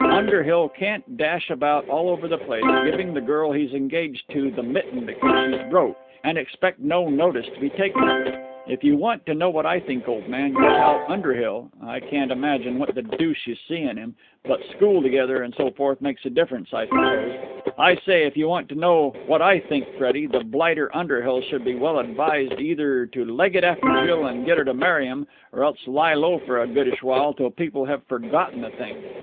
"Underhill can't dash about all over the place giving the girl he's engaged to the mitten because she's broke, and expect no notice to be taken of it. If you want to know what I think, old man, your pal Underhill I can't imagine what the deuce you see in him, but, school together and so forth, makes a difference, I suppose I say, if you want to know what I think, Freddie, the blighter Underhill would be well advised either to leg it after Jill and get her to marry him or else lie low for a goodish while till people have forgotten the thing.